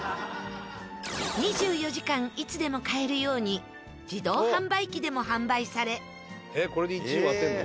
２４時間いつでも買えるように自動販売機でも販売され。